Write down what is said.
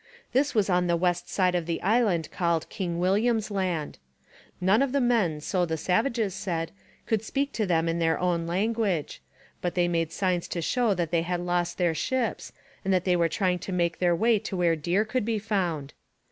This was on the west side of the island called King William's Land. None of the men, so the savages said, could speak to them in their own language; but they made signs to show that they had lost their ships, and that they were trying to make their way to where deer could be found.